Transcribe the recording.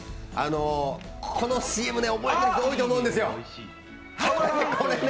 このＣＭね、覚えてる人多いと思うんですよ。